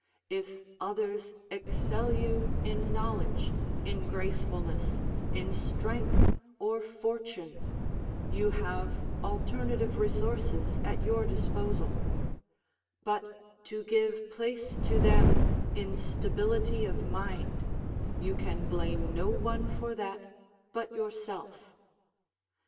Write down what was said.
If others excel you in knowledge, in gracefulness, in strength, or fortune, you have alternative resources at your disposal; but to give place to them in stability of mind, you can blame no one for that but yourself.